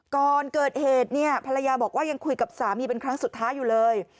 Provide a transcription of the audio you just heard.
ก่อนเกิดเหตุเนี่ยภรรยาบอกว่ายังคุยกับสามีเป็นครั้งสุดท้ายอยู่เลย